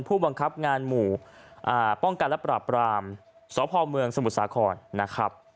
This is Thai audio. ผู้บังคับงานหมู่ป้องกันและปราบรามสพเมืองสมุทรสาครนะครับ